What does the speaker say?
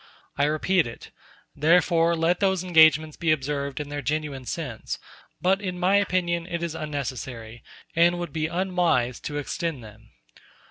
I repeat it; therefore, let those engagements be observed in their genuine sense; but in my opinion it is unnecessary, and would be unwise, to extend them.